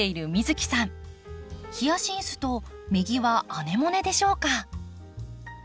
ヒヤシンスと右はアネモネでしょうか。